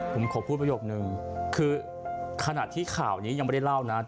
ผมขอพูดประโยคนึงคือขณะที่ข่าวนี้ยังไม่ได้เล่านะ